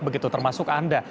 begitu termasuk anda